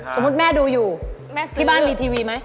สมมุติแม่ดูอยู่ที่บ้านมีทีวีไหม